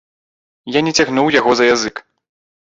Я не цягнуў яго за язык.